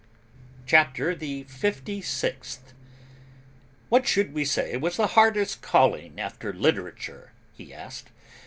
CHAPTER THE FIFTY SIXTH. "What should we say was the hardest calling, after literature?" he asked.